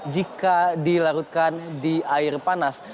jika dilarutkan di air panas